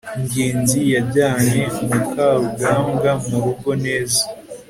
ngenzi yajyanye mukarugambwa mu rugo. neza